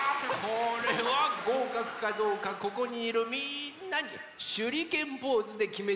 これはごうかくかどうかここにいるみんなにしゅりけんポーズできめてもらおう。